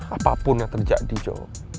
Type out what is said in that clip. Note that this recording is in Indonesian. apapun yang terjadi jo